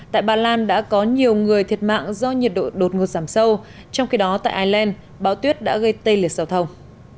tại ba lan đã có nhiều người thiệt mạng do nhiệt độ đột ngột giảm sâu trong khi đó tại ireland bão tuyết đã gây tê liệt giao thông